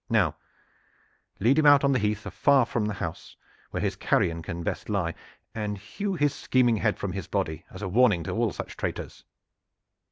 Now lead him out on the heath afar from the house where his carrion can best lie, and hew his scheming head from his body as a warning to all such traitors!"